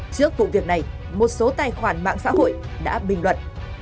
trước vụ việc này một số tài khoản mạng xã hội đã bình luận